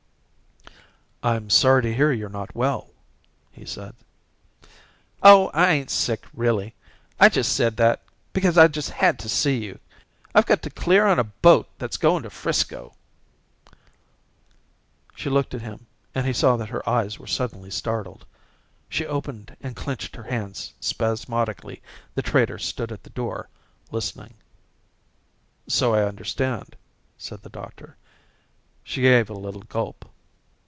"I'm sorry to hear you're not well," he said. "Oh, I ain't sick really. I just said that, because I just had to see you. I've got to clear on a boat that's going to 'Frisco." She looked at him and he saw that her eyes were suddenly startled. She opened and clenched her hands spasmodically. The trader stood at the door, listening. "So I understand," said the doctor. She gave a little gulp.